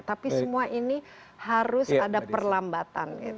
tapi semua ini harus ada perlambatan